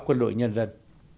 quân đội nhân dân